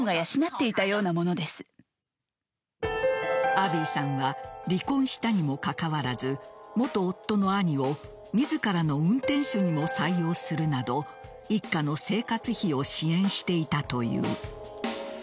アビーさんは離婚したにもかかわらず元夫の兄を自らの運転手にも採用するなど一家の生活費を支援していたという。